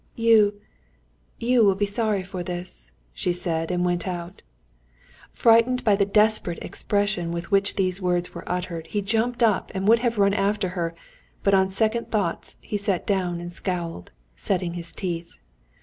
"You ... you will be sorry for this," she said, and went out. Frightened by the desperate expression with which these words were uttered, he jumped up and would have run after her, but on second thoughts he sat down and scowled, setting his teeth.